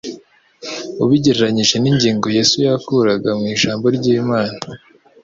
ubigereranyije n’ingingo Yesu yakuraga mu Ijambo ry’Imana